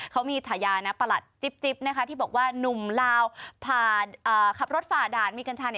เขามีฉายานะประหลัดจิ๊บนะคะที่บอกว่าหนุ่มลาวขับรถฝ่าด่านมีกัญชา